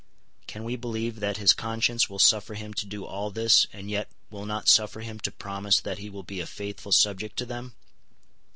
Can we believe that his conscience will suffer him to do all this, and yet will not suffer him to promise that he will be a faithful subject to them?